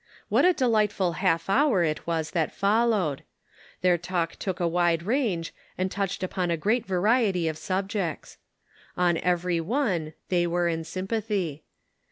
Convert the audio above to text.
What a delightful half hour it was that followed ! Their talk took a wide range and touched upon a great variety of subjects. On every one they were in sym pathy.